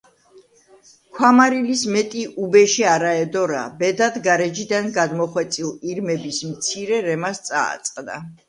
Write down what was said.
ქვამარილის მეტი უბეში არა ედო რა. ბედად, გარეჯიდან გადმოხვეწილ ირმების მცირე რემას წააწყდა.